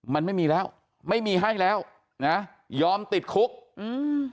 มันไม่มีแล้วไม่มีให้แล้วนะยอมติดคุกอืม